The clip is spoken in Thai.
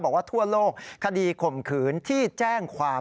ทั่วโลกคดีข่มขืนที่แจ้งความ